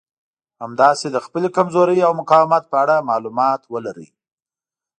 همداسې د خپلې کمزورۍ او مقاومت په اړه مالومات ولرئ.